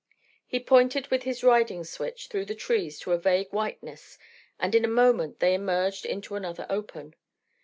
He pointed with his riding switch through the trees to a vague whiteness, and in a moment they emerged into another open.